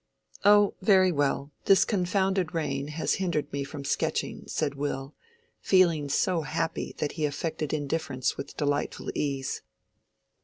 "Oh, very well; this confounded rain has hindered me from sketching," said Will, feeling so happy that he affected indifference with delightful ease.